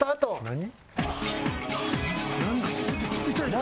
何？